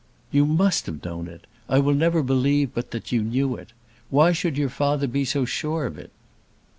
"You must have known it. I will never believe but that you knew it. Why should your father be so sure of it?"